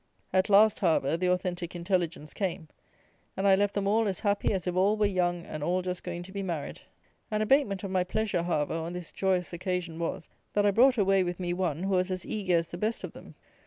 At last, however, the authentic intelligence came, and I left them all as happy as if all were young and all just going to be married. An abatement of my pleasure, however, on this joyous occasion was, that I brought away with me one, who was as eager as the best of them.